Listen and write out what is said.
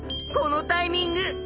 このタイミング！